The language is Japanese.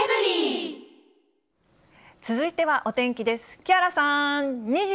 続いてはお天気です。